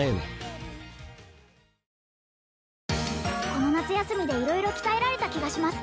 この夏休みで色々鍛えられた気がします